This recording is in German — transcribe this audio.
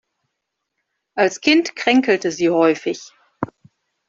Als Kind kränkelte sie häufig.